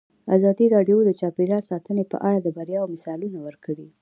ازادي راډیو د چاپیریال ساتنه په اړه د بریاوو مثالونه ورکړي.